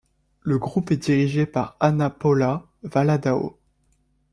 Le groupe est dirigé par Ana Paula Valadão.